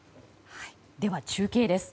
では中継です。